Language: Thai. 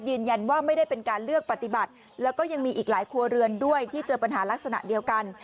ยืนยันว่าไม่ได้เป็นการเลือกปฏิบัติแล้วก็ยังมีอีกหลายครัวเรือนด้วยที่เจอปัญหาลักษณะเดียวกัน